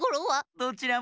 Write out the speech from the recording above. どちらも。